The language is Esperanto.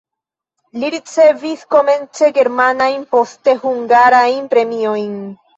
Li ricevis komence germanajn, poste hungarajn premiojn.